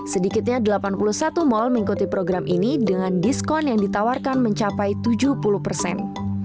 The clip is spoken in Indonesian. sedikitnya delapan puluh satu mal mengikuti program ini dengan diskon yang ditawarkan mencapai tujuh puluh persen